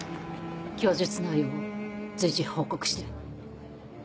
供述内容を随時報告して。